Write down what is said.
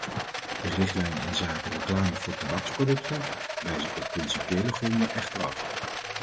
De richtlijn inzake reclame voor tabaksproducten wijs ik op principiële gronden echter af.